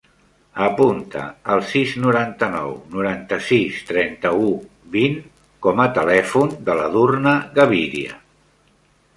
Apunta el sis, noranta-nou, noranta-sis, trenta-u, vint com a telèfon de l'Edurne Gaviria.